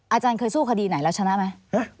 อาจารย์เคยสู้คดีไหนแล้วชนะไหม